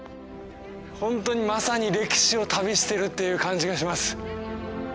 ホントにまさに歴史を旅してるっていう感じがします